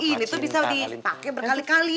ini tuh bisa dipakai berkali kali